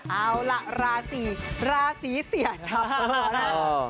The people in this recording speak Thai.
เอาล่ะราศีเสียจับ